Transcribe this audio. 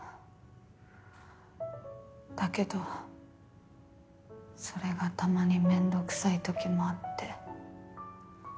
だけどそれがたまにめんどくさいときもあって。